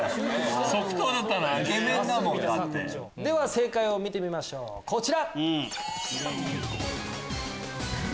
正解を見てみましょうこちら！